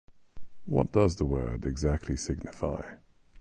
What does the word exactly signify?